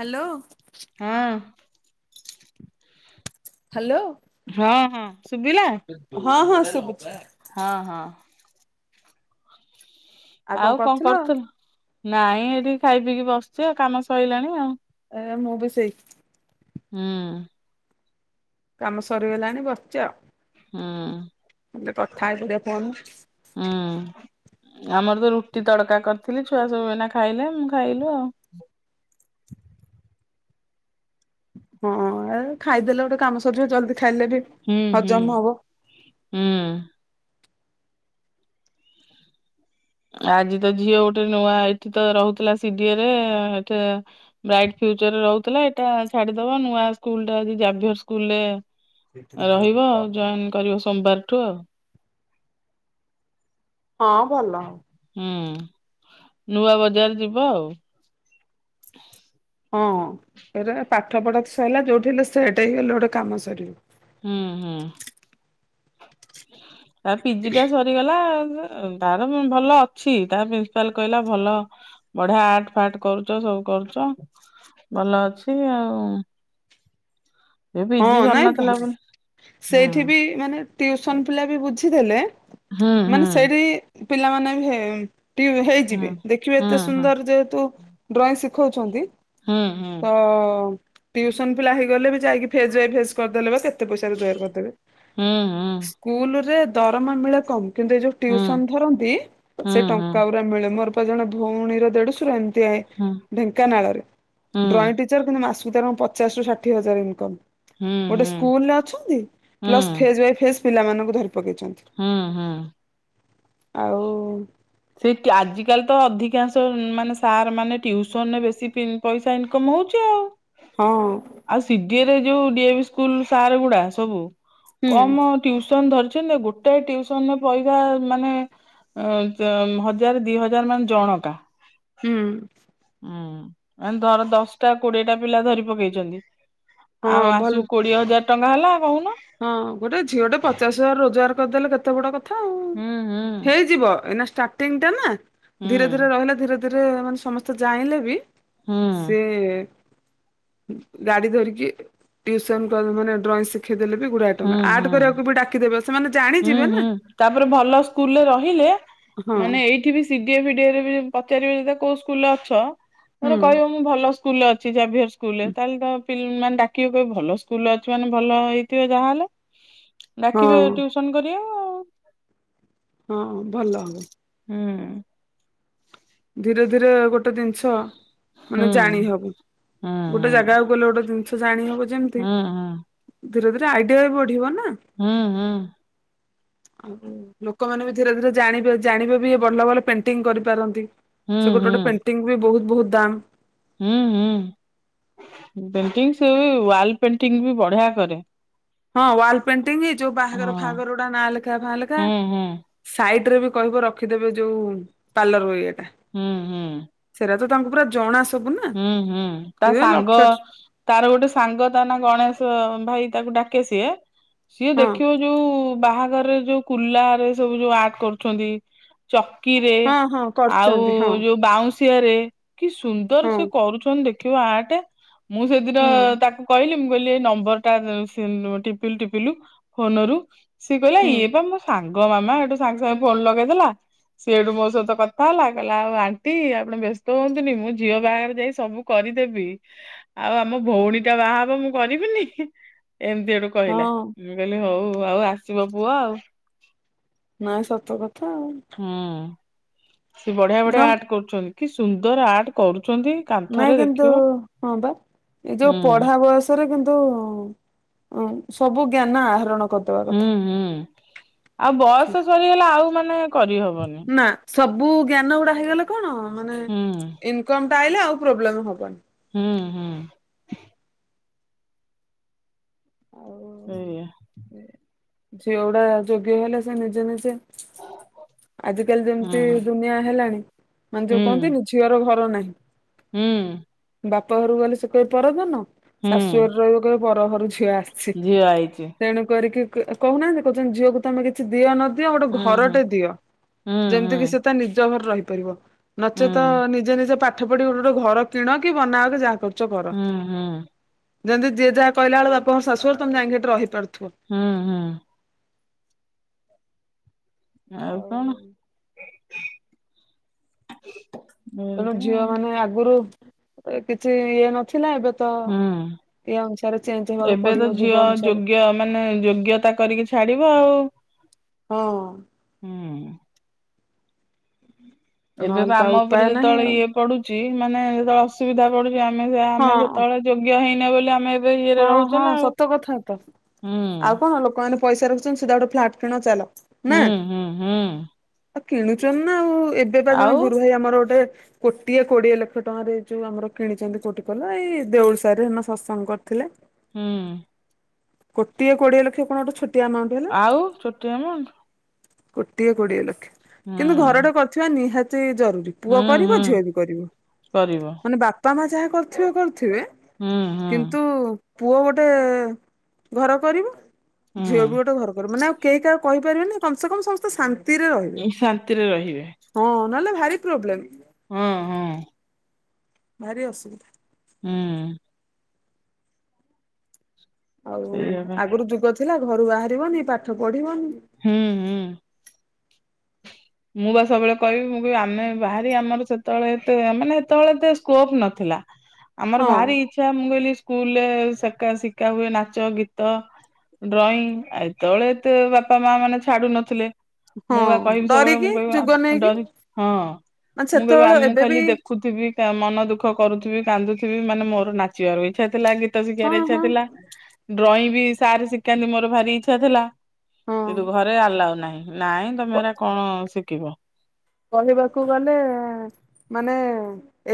Hello. ହଁ। Hello. ହଁ, ହଁ, ଶୁଭିଲା। ହଁ, ହଁ, ସବୁଛି। ହଁ, ହଁ। ଆଉ କଣ କରୁଥିଲୁ ନାଇଁ ଏଠିକି ଖାଇ ପିଇକି ବସିଛି ଆଉ କାମ ସରିଲାଣି ଆଉ। ଆ ମୁଁ ବି ସେଇ ହୁଁ। କାମ ସରିଗଲାଣି ବସିଚି ଆଉ। ଉଁ। ଦେ କଥା ହେଇକି ଦେ ଫୋନ୍। ହୁଁ, ଆମର ତ ରୁଟି ତଡକା କରିଥିଲି ଛୁଆ ସବୁ ଏଇନା ଖାଇଲେ ମୁଁ ଖାଇଲୁ ଆଉ। ହଁ ଖାଇଦେଲେ ଗୋଟେ କାମ ସରିଜିବ ଜଲଦି ଖାଇଲେ ବି ହୁଁ ହୁଁ। ହଜମ ହବ। ହୁଁ। ଆଜି ତ ଝିଅ ଗୋଟେ ନୂଆ ଏଇଠି ତ ରହୁଥିଲା ସିଡିଏ ରେ ଏଠି ବ୍ରାଇଟ୍ ଫ୍ୟଚରରେ ରହୁଥିଲା ଏଇଟା ଛାଡିଦବା ନୂଆ ସ୍କୁଲ ଟା ଜାଭୟର ସ୍କୁଲରେ ରହିବ ଆଉ ଜଏନ୍ କରିବ ସୋମବାରଠୁ ଆଉ। ହଁ, ଭଲ। ହୁଁ ନୂଆ ବଜାର ଯିବ ଆଉ। ହଁ ଏଟ ପାଠ ପଢ଼ା ସରିଲା ଯଉଠି ହେଲେ ସେଇଟା ହେଇଗଲେ ଗୋଟେ କାମ ସରିବ। ହୁଁ, ହୁଁ। ତାର ପିଜି ଟା ସରିଗଲା ତାର ଭଲ ଅଛି ତ ପ୍ରିନ୍ସିପାଲ କହିଲା ଭଲ ବଢିଆ ଆର୍ଟ, ଫାଟ କରୁଛ ସବୁ କରୁଛ ଭଲ ଅଛି ଆଉ। ଏ ହଁ ପିଜି ନାଇଁ ସରିନଥିଲା ଭଲ ବୋଲି ହୁଁ ସେଇଠି ବି ମାନେ ଟିଉସନ ପିଲା ବି ବୁଝିଦେଲେ ହୁଁ ହୁଁ ମାନେ ସେଇଠି ପିଲାମାନେ ହେ ଟିମ୍ ହେଇଯିବେ ଦେଖିବେ ହୁଁ ଏତେ ସୁନ୍ଦର ଯେହେତୁ ଡ୍ରଇଂ ଶିଖଉଛନ୍ତି ହୁଁ ହୁଁ ତ ଟିଉସନ ପିଲା ହେଇଗଲେ ବି ଯାଇକି ଫେଜ୍ ବାଇ ଫେଜ୍ କରିଦେଲେ ବା କେତେ ପଇସା ରୋଜଗାର କରିଦେବେ। ହୁଁ ହୁଁ ସ୍କୁଲ ରେ ଦରମା ମିଳେ କମ୍ କିନ୍ତୁ ଏ ଯୋଉ ହୁଁ ଟିଉସନ୍ ଧରନ୍ତି ହୁଁ ସେ ହୁଁ ହୁଁ ଟଙ୍କା ହୁଁ ମିଳେ ମୋର ପା ଜଣେ ଭଉଣୀର ଦେଢଶୁର ଏମିତି ଆ ହୁଁ ହୁଁ ହୁଁ ଢେଙ୍କାନାଳରେ ଡ୍ରଇଂ ଟି ଚର କିନ୍ତୁ ମାସକୁ ତାର ପଚାଶ ରୁ ଷାଠିଏ ହଜାର ଇନକମ୍। ହୁଁ ଗୋଟେ ହୁଁ ସ୍କୁଲରେ ଅଛନ୍ତି ପ୍ଲସ୍ ଫେଜ୍ ବାଇ ଫେଜ୍ ପିଲାମାନଙ୍କୁ ଧରି ପକେଇଛନ୍ତି। ହୁଁ ହୁଁ। ଆଉ ସେ ଆଜିକାଲି ତ ଅଧିକାଂଶ ମାନେ ସାର୍ ମାନେ ଟ୍ୟୁସନରେ ବେଶୀ ପଇସା ଇନକମ୍ ହଉଛି ଆଉ। ହଁ। ଆଉ ସିଡିଏରେ ଯୋଉ ଡିଏବି ସ୍କୁଲ୍ ସାର୍ ଗୁଡା ସବୁ ହୁଁ କମ ଟ୍ୟୁସନ୍ ଧରିଛନ୍ତି ଗୋଟେ ଟିଉସନ୍ ରେ ପଇସା ମାନେ ହଜାର ଦି ହଜାର ମାନେ ଜଣକା। ହୁଁ। ହୁଁ ମାନେ ଧର ଦଶଟା କୋଡିଏ ଟା ପିଲା ଧରି ପକେଇଛନ୍ତି। ଆଉ ହଁ ଭଲ ମାସକୁ କୋଡିଏ ହଜାର ଟଙ୍କା ହେଲା କହୁନ। ହଁ ଗୋଟେ ଝିଅଟେ ପଚାଶ ହଜାର ରୋଜଗାର କରିଦେଲେ କେତେ ବଡ କଥା ଆଉ। ହୁଁ ହୁଁ। ହେଇଯିବ ଏଇନା ଷ୍ଟାର୍ଟିଙ୍ଗଟା ନା ଧୀରେ ଧୀରେ ରହିଲା ଧୀରେ ଧୀରେ ମାନେ ସମସ୍ତେ ଜାଣିଲେ ବି ସିଏ ଗାଡି ଧରିକି ଟ୍ୟୁସନ କରି ମାନେ ଡ୍ରଇଂ ଶିଖ ହୁଁ ହୁଁ ସେମାନେ ହୁଁ ଜାଣିଯିବେ ନା। ହୁଁ, ତାପରେ ଭଲ ସ୍କୁଲରେ ରହିଲେ ହଁ ମାନେ ଏଇଠି ବି ସିଡିଏ ଫିଡିଏରେ ବି ପଚାରିବେ ଯଦି କୋଉ ସ୍କୁଲରେ ଅଛ? ହୁଁ ଧର କହିବ ମୁଁ ଭଲ ସ୍କୁଲରେ ଅଛି ଜାଭିୟର ସ୍କୁଲରେ ତାହେଲେ ତ ମାନେ ଡାକିବ କହିବେ ଭଲ ସ୍କୁଲ ଅଛି ମାନେ ଭଲ ହେଇ ଥିବେ ଯାହାହେଲେ ହଁ ଡାକିବେ ଟ୍ୟୁସନ୍ କରିବାକୁ ଆଉ। ହଁ ଭଲ। ହୁଁ। ଧୀରେ ଧୀରେ ଗୋଟେ ଜିନିଷ ହୁଁ ମାନେ ଜାଣିହବ, ହୁଁ ଗୋଟେ ଜାଗାକୁ ଗଲେ ଗୋଟେ ଜିନିଷ ଜାଣି ହବ ଯେମିତି ହୁଁ ଧୀରେ ଧୀରେ ଆଇଡିଆ ବି ବଢିବ ନା। ହୁଁ ହୁଁ। ଲୋକମାନେ ବି ଧୀରେ ଧୀରେ ଜାଣିବେ ଜାଣିବେ ବି ଭଲ ଭଲ ପେଣ୍ଟିଙ୍ଗ କରିପାରନ୍ତି। ହୁଁ ସେ ଗୋଟେ ଗୋଟେ ପେଣ୍ଟିଙ୍ଗ୍ ବି ବହୁତ ବହୁତ ଦାମ୍। ହୁଁ ହୁଁ, ପେଣ୍ଟିଙ୍ଗ୍ ସେ ବି ୱାଲ୍ ପେଣ୍ଟିଙ୍ଗ୍ ବି ବଢିଆ କରେ। ହଁ ୱାଲ୍ ପେଣ୍ଟିଂ ଯୋଉ ବାହାଘର ହଁ ଫାହାଘର ଗୁଡା ନାଁ ଲେଖା ଫା ଲେଖା। ହୁଁ ହୁଁ ସାଇଡ ରେ ବି କହିବ ରଖିଦେବେ ଯୋଉ ପାର୍ଲର ଉଇଅରେ ଟା। ହଁ ହଁ। ସେଇଟା ତ ତାଙ୍କୁ ପୁରା ଜଣାଶ ହୁଁ ହୁଁ ତା ସାଙ୍ଗ ତାର ଗୋଟେ ସାଙ୍ଗ ତା ନା ଗଣେଶ ଭାଇ ତାକୁ ଡାକେ ସିଏ ସିଏ ହଁ ଦେଖିବ ଯୋଉ ବାହାଘରରେ ଯୋଉ କୁଲାରେ ସବୁ ଯୋଉ ଆର୍ଟ କରୁଛନ୍ତି ଚକିରେ ହଁ ହଁ ଆଉ କରିଛନ୍ତି ହଁ ଯୋଉ ବାଉଁଶିଆ ରେ କି ସୁ ହଁ। କରୁଛନ୍ତି ଦେଖିବ ଆର୍ଟ ମୁଁ ସେଦିନ ହୁଁ ତାକୁ କହିଲି ମୁଁ କହିଲି ଏ ନମ୍ବର ଟା ଟିପିଲୁ ଟିପିଲୁ ଫୋନରୁ ସିଏ କହିଲା ହୁଁ। ଇଏ ବା ମୋ ସାଙ୍ଗ ମାମା ସେଠୁ ସାଙ୍ଗେ ସାଙ୍ଗେ ଫୋନ ଲଗେଇଦେଲା। ସେଇଠୁ ମୋ ସହିତ କଥା ହେଲା କହିଲା ଆଉ ଆଣ୍ଟି ଆପଣ ବ୍ୟସ୍ତ ହୁଅନ୍ତୁନି ମୁଁ ଝିଅ ବାହାଘରକୁ ସେ ସବୁ କରିଦେବି ଆଉ ଆମ ଭଉଣୀଟା ବାହା ହେବ ମୁଁ କରିବିନି ଏମିତି ଆଡୁ ହଁ କହିଲା ମୁଁ କହିଲି ହଉ ଆଉ ଆସିବ ପୁଅ ଆଉ ନାଁ ସତ କଥା ଆଉ ହୁଁ ସେ ବଢିଆ ବଢିଆ ନା ଆର୍ଟ କରୁଛନ୍ତି କିସୁନ୍ଦର ଆର୍ଟ କରୁଛନ୍ତି। କାନ୍ଥରେ ନାଇଁ କିନ୍ତୁ ଦେଖିବ ହଁବା ଏ ଯୋଉ ହୁଁ ପଢା ବୟସ ଏଥିରେ କିନ୍ତୁ ସବୁ ଜ୍ଞାନ ଆହରଣ କରିଦବା ହୁଁ କଥା। ହୁଁ ଆଉ ବୟସ ସରିଗଲା ଆଉ ମାନେ କରିହବନି। ନା ସବୁ ଜ୍ଞାନ ଗୁଡା ହେଇଗଲେ କଣ ମାନେ ହୁଁ ଇନକମଟା ଆଇଲେ ଆଉ ପ୍ରୋବ୍ଲେମ ହବନି। ହୁଁ ହୁଁ ଆଉ ସେଇଆ ଝିଅ ଗୁଡା ଯୋଗ୍ୟ ହେଲେ ସେ ନିଜେ ନିଜେ ଆଜିକାଲି ହୁଁ ଯେମିତି ଦୁନିଆ ହେଲାଣି ମାନେ ଯୋଉ ହୁଁ କହନ୍ତିନି ଝିଅର ଘରନାହିଁ। ହୁଁ। ବାପ ଘରକୁ ଗଲେ ସେ କହିବେ ପରଧନ ହୁଁ ଶାଶୁ ଘରେ ରହିବୁ କହିବେ ପରଘରୁ ଝିଅ ଆସି। ଛି ଝିଅ ଆଇଛି। ତେଣୁ କରିକି କହୁନାହାନ୍ତି କହୁଚନ୍ତି ଝିଅକୁ ତମେ କିଛି ଦିଅ ନଦିଅ ଗୋଟେ ହୁଁ ହୁଁ ଘରଟେ ଦିଅ। ହୁଁ ଯେମିତି ହୁଁ କିି ସେ ତା ନିଜ ଘରେ ରହିପାରିବ ନଚେତ ହୁଁ ନିଜେ ନିଜେ ପାଠ ସେପଟେ ଗୋଟେ ଗୋଟେ ଘର କିଣକି ବନାଅକି ଯାହା କରୁଚ କର। ହୁଁ ହୁଁ ଯେମିତି ଯି ଯାହା କହିଲା ବେଳକୁ ବାପଘର ଶାଶୁଘର ତମେ ଯାଇ ଏଠି ରହିପାରୁଥିବ। ହୁଁ ହୁଁ ଅଉ ଆଉ କଣ? ତେଣୁ ଏମିତି ଝିଅ ଆଉ ମାନେ ଆଗରୁ କିଛି ଇଏ ନଥିଲା ଏବେ ତ ହୁଁ ଏଇ ଅନୁସାରେ ଚେଞ୍ଜ ହେବାକୁ ଏବେ ତ ପଡିବ ଝିଅ ଯୁଗ ଅନୁସାରେ। ଯୋଗ୍ୟ ମାନେ ଯୋଗ୍ୟତା କରିକି ଛାଡିବ ଆଉ ହଁ। ହୁଁ। ନହେଲେ ଏବେପା ତ ଆଉ ଆମ ଉପରେ ଉପାୟ ନାହିଁ ଯେତେବେଳେ ଆଉ ଇଏ ପଡୁଚି ଚି ମାନେ ଯେତେବେଳେ ଅସୁବିଧା ପଡୁଛି ଆମେ ହଁ ସେତେବେଳେ ଯୋଗ୍ୟ ହେଇନେ ବୋଲି ଆମେ ଏବେ ଇଏରେ ହଁ ରହୁଛେ ହଁ ନା ଆଉ ସତ କଥାତ ଆଉ ହୁଁ କଣ ଲୋକମାନେ ପଇସା ରଖୁଛନ୍ତି ସିଧା ଗୋଟେ ଫ୍ଲାଟ କିଣ ଚାଲ ନା। ହୁଁ ହୁଁ ହୁଁ କିଣୁଛନ୍ତି ନା ଆଉ ଏବେ ବା ଜଣେ ଆଉ ଗୁରୁ ଭାଇ ଆମର ଗୋଟେ କୋଟିଏ କୋଡିଏ ଲକ୍ଷ ଟଙ୍କାରେ ଏଇ ଯୋଉ ଆମର କିଣିଛନ୍ତି କୋଉଟି କହିଲ ଏଇ ଦେଉଳସାହିରେ ହେଇଦିନ ସତସଙ୍ଗ କରି ଥିଲେ। ହୁଁ। କୋଟିଏ କୋଡିଏ ଲକ୍ଷ କଣ ଗୋଟିଏ ଛୋଟିଆ ଆମାଉଣ୍ଟ। ହେଲା ଆଉ ଛୋଟିଆ ଆମାଉଣ୍ଟ। କୋଟିଏ କୋଡିଏ ଲକ୍ଷ ହୁଁ କିନ୍ତୁ ଘରଟେ କରିଥିବା ନିହାତି ଜରୁରୀ। ହୁଁ ପୁଅ କରିବ ହୁଁ ଝିଅବି କରିବ କରିବ ମାନେ ବାପା ମା ଯାହା କରିଥିବେ କରିଥିବେ। ହୁଁ ହଁ ପୁଅ ଗୋଟେ ଘର କରିବ ଝିଅବି ହୁଁ ଗୋଟେ ଘର କରିବ ମାନେ କେହି କାହାକୁ କହିପାରିବେନି କମ ସେ କମ ସମସ୍ତେ ଶାନ୍ତିରେ ରହିବେ। ଶାନ୍ତିରେ ରହିବେ ହଁ ନହେଲେ ଭାରି ପ୍ରୋବ୍ଲେମ। ହଁ। ହଁ ଭାରି ଅସୁବିଧା। ହୁଁ। ସେଇଆ ବା ଆଗରୁ ଯୁଗ ଥିଲା ଘରୁ ବାହାରିବନି ପାଠ ପଢିବନି। ହୁଁ ହୁଁ। ମୁଁ ବା ସବୁବେଳେ କହିବି ମୁଁ କହିବି ଆମେ ବାହାରି ଆମର ସେତେବେଳେ ଏତେ ମାନେ ସେତେବେଳେ ଏତେ ସ୍କୋପ ନଥିଲା। ଆମର ହଁ ଭାରି ଇଚ୍ଛା ମୁଁ କହିଲି ସ୍କୁଲରେ ଶିଖା ହୁଏ ନାଚ ଗୀତ। ଡ୍ରଇଂ ଏତେବେଳେ ଏତେ ବାପା ମା ମାନେ ଛାଡୁ ନଥିଲେ। ମୁଁ ବା କହିବି ହଁ। ସବୁବେଳେ ମୁଁ ଡରିକି ଯୁଗ କହିବି ନେଇକି ଡରି ହଁ ମାନେ ମୁଁ କହିବି ସେତେବେଳେ ଆମକୁ ଏବେ ଖାଲି ବି ଦେଖୁଥିବି ମନ ଦୁଃଖ କରୁଥିବି କାନ୍ଦୁଥିବି ମାନେ ମୋର ନାଚିବାରୁ ଇଚ୍ଛା ତ ହଁ ଶିଖିବାର ଇଚ୍ଛା ହଁ ଥିଲା। ଡ୍ରଇଂ ବି ସାର୍ ଶିଖାନ୍ତି ମୋର ଭାରି ଇଛା ଥିଲା ହଁ କିନ୍ତୁ ଘରେ ଆଲାଉ ନାହିଁ। ନାଇଁ ତମେ କଣ ଶିଖିବ। କହିବାକୁ ଗଲେ ମାନେ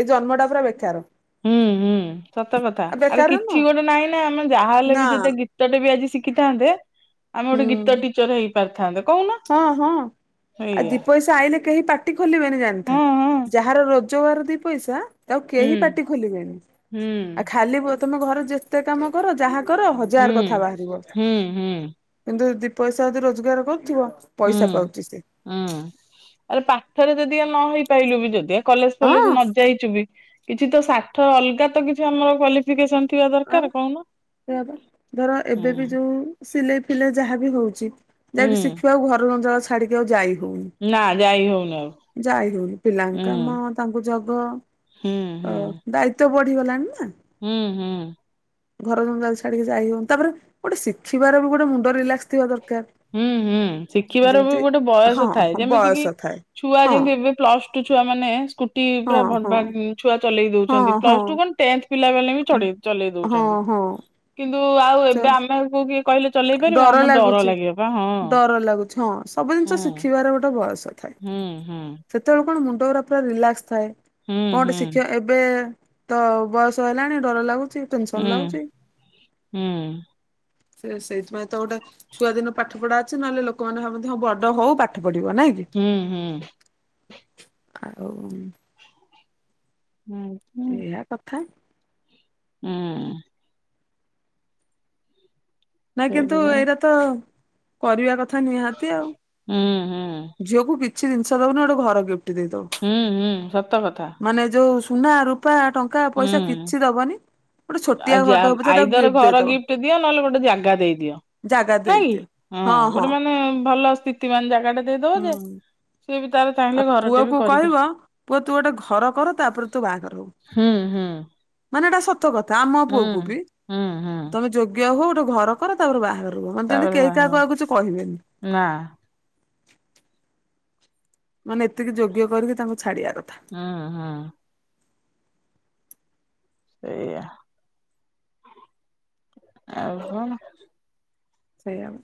ଏଇ ଜନ୍ମଟା ପୁରା ବେକାର। ହୁଁ ହୁଁ ସତ କଥା ଆଉ ଆରେ ବେକାର କିଛି ନୁହଁ ଗୋଟେ ନାହିଁ ନା ଆମେ ଯାହାହଲେ ନା ବି ଗୀତଟେ ବି ଆଜି ଶିଖିଥାନ୍ତେ ଆମେ ଗୋଟେ ହୁଁ। ଗୀତ ଟିଚର ହେଇପାରିଥାନ୍ତେ କହୁନ। ହଁ ହଁ ଆ ଦି ଏଇଆ ପଇସା ଆଇଲେ କେହି ପାଟି ଖୋଲିବେନି ଜାଣିଥାଏ ହଁ ହଁ ଯାହାର ର ପଞ୍ଚାର ଦି ପଇସା ଆଉ ହୁଁ କେହି ପାାର୍ଟି ଖୋଲିବେନି ହୁଁ ଆଉ ଖା ତମ ଘର ଏତେ କାମ କର ଯାହା କର ହୁଁ ହଜାର କଥା ବାହାରିବ। ହୁଁ ହୁଁ କିନ୍ତୁ ଦି ପଇସା ଯି ରୋଜଗାର କରୁଥିବ। ହୁଁ ପଇସା ପାଉଛି ସେ ହୁଁ ଆରେ ପାଠରେ ଯଦି ଆ ନ ହେଇପାରଲୁ ବି ଯଦି କଲେଜ ଫଲେଜ ହଁ ନ ଯାଇଚୁ ବି କିଛି ତ ସାଠ ଅଲଗା ତ କିଛି ଆମର କ ଥିବା ଆଉ ଦରକାର କଣ? ସେୟା ପା ଧର ଏବେ ବି ଯୋଉ ସିଲେଇ ଫିଲେଇ ଯାହା ବିି ହଉଛି, ହୁଁ ଯାହାକି ଶିଖିବା ଆଉ ଘର ଅଞ୍ଚଳ ଛାଡିକି ଆଉ ଯାଇ ହଉନି। ନା ଯାଇ ହଉନି ଆଉ ଯାଇ ହଉନି ହୁଁ ପିଲାଙ୍କା ମା ତାଙ୍କୁ ଜଗ ହୁଁ ହୁଁ। ଦାୟିତ୍ଵ ବଢିଗଲାଣି ନା। ହୁଁ ହୁଁ। ଘର ଜମି ଛାଡିକି ଯାଇ ହବନ ତାପରେ ଗୋଟେ ଶିଖିବାର ବି ଗୋଟେ ମୁଣ୍ଡ ରିଲାକ୍ସ ଥିବା ଦରକାର। ହୁଁ ହୁଁ ଶିଖିବାର ବି ଯେମିତି ଗୋଟେ ହଁ ବୟସ ଥାଏ ହଁ ଯେମିତି କିି ବୟସ ଥାଏ ଛୁଆ ହଁ ଯେମିତି ଏବେ ପ୍ଲସ୍ ଟୁ ଛୁଆ ମାନେ ସ୍ ହଁ ହଁ ପୁରା ଛୁଆ ଚଲେଇ ହଁ ଦଉଛନ୍ତି ପ୍ଲସ ଟୁ କ ହଁ ଟେନ୍ଥ ପିଲା ବ ବି ଚ ଚଲେଇ ଦଉଛନ୍ତି। ହଁ ହଁ। କିନ୍ତୁ ଆଉ ସେ ଏବେ ଆମେକୁ କିଏ କହିଲେ ଚଲେଇ ପାରିବା ଡର ଆମର ଡର ଲାଗୁଛି ହଁ ସବୁ ଜିନିଷ ଶିଖିବାର ଗୋଟେ ବୟସ ଥାଏ। ହୁଁ ହୁଁ। ସେତେବେଳେ କଣ ମୁଣ୍ଡ ଗୁରା ପୁରା ରିଲାକ୍ସ ଥାଏ ହୁଁ କଣ ଗଟେ ହୁଁ ଶିକ୍ଷ ଏବେ ତ ବୟସ ହେଲାଣି ଡର ଲାଗୁଛି। ଟେନସନ ହୁଁ ଲାଗୁଛି। ହୁଁ। ସେ ସେଇଥିପାଇଁ ତ ଗୋଟେ ଛୁଆଦିନ ପାଠ ପଢା ଅଛି। ନହେଲେ ଲୋକମାନେ ମଧ୍ୟ ବଡ ହଉ ପାଠ ପଢିବ ନାଇଁ କି ହୁଁ ହୁଁ ହୁଁ ଆଉ ହୁଁ। ଏଇଆ କଥା ହୁଁ। ନାଇ କିନ୍ତୁ ସେଇଥିପାଇଁ ଏଇଟା ତ କରିବା କଥା ନିହାତି ଆଉ ହୁଁ ହୁଁ ଝିଅକୁ କିଛି ଜିନିଷ ଦଉନି ଗୋଟେ ଘର ଗିଫ୍ଟ ଦେଇଦବୁ। ହୁଁ-ହୁଁ ସତ କଥା। ମାନେ ଯୋଉ ସୁନା ରୂପା ଟଁ କା ପଇସା ହୁଁ କିଛି ଦବନି ଗୋଟେ ଛୋଟିଆ ଘରଟେ ହଉ ପଛେ ତାକୁ ଗିଫ୍ଟ ଦେଇଦବ। ଟି ଦିଅ ନହେଲେ ଗୋଟେ ଜାଗା ଦେଇଦିଅ ନାଇଁ କି ହଁ ଗୋଟେ ମାନେ ଭଲ ସ୍ଥି ତି ମାନ୍ ଜାଗାଟା ଦେଇଦବ ହୁଁ ଯେ ସିଏ ବି ତାର ଆଉ ଚାହିଁଲେ ଘରଟେ ବି ପୁଅକୁ କରିକି କହିବ ପୁଅ ତୁ ଗୋଟେ ଘର କର ତାପରେ ତୁ ବାହାଘର ହଉ। ହୁଁ-ହୁଁ ମାନେ ଏଇଟା ସତ କଥା ଆମ ପୁଅକୁ ବି ହୁଁ ହୁଁ ତମେ ଯୋଗ୍ୟ ହୋ ଗୋଟେ ଘର କର ତାପରେ ବାହାଘର ହୁଅ ମତେ ଯେମ୍ତି ତାପରେ କେହି ବାହା କାହାକୁ ହବ ଆଉ କିଛି କହିବେନି। ନା। ମାନେ ଏତିକି ଯୋଗ୍ୟ କରିକି ତାଙ୍କୁ ଛାଡିଆ କଥା। ହୁଁ-ହୁଁ ଏଇଆ। ଆଉ କଣ? ସେଇଆ ବା।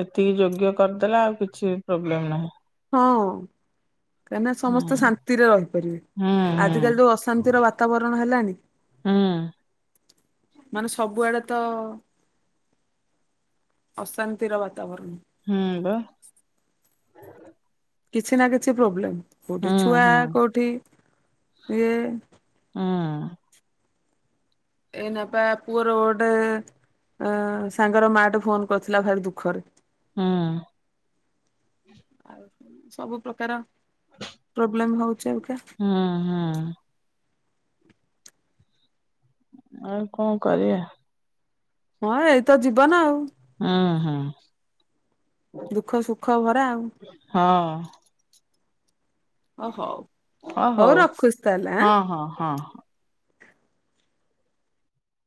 ଏତିକି ଯୋଗ୍ୟ କରିଦେଲା ଆଉ କିଛି ପ୍ରୋବ୍ଲେମ୍ ନାହିଁ। ହଁ କାଇଁ ନା ସମସ୍ତେ ହୁଁ ଶାନ୍ତିରେ ରହିପାରିବେ ହୁଁ ହୁଁ ଆଜିକାଲି ଯୋଉ ଅଶାନ୍ତିର ବା ତାବରଣ ହେଲାଣି। ହୁଁ ମାନେ ସବୁଆଡେ ତ ଅଶାନ୍ତିର ବାତାବରଣ୍। ହୁଁ ବା। କିଛି ନା କିଛି ପ୍ରୋବ୍ଲେମ୍ କୋଉଠି ହୁଁ ଛୁଆ ହୁଁ କୋଉଠି ଇଏ ଉଁ। ଏଇନେ ପା ପୁଅର ଗୋଟେ ଏଁ ସାଙ୍ଗର ମା ଟେ ଫୋନ୍ କରିଥିଲା ଭାରି ଦୁଃଖରେ। ହୁଁ। ଆଉ ସବୁ ପ୍ରକାର ପ୍ରୋବ୍ଲେମ୍ ହଉଛି ଅଇଖା। ହୁଁ-ହୁଁ ଆଉ କଁ କରିଆ? ହଁ ଏଇତ ଜୀବନ ଆଉ। ଉଁ ହୁଁ। ଦୁଃଖ ସୁଖ ଭରା ଆଉ। ହଁ। ଓ ହଉ ହଉ ରଖୁଛି ତା ହେଲେ ହଁ ଆଁ। ହଁ ହଁ